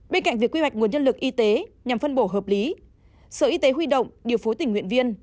bên cạnh việc quy hoạch nguồn nhân lực y tế nhằm phân bổ hợp lý sở y tế huy động điều phối tình nguyện viên